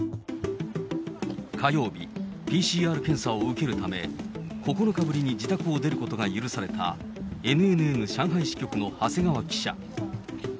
火曜日、ＰＣＲ検査を受けるため、９日ぶりに自宅を出ることが許されたＮＮＮ上海支局の長谷川記者。